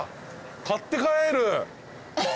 買って帰る。